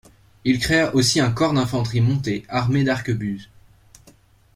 Il créa aussi un corps d'infanterie montée, armé d'arquebuses.